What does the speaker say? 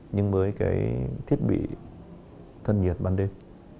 nhưng với cái thiết bị thân nhiệt ban đêm